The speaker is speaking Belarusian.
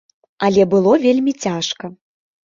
Але было вельмі цяжка.